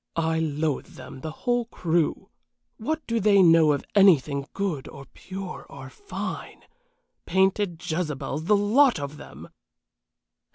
I loathe them, the whole crew. What do they know of anything good or pure or fine? Painted Jezebels, the lot of them!"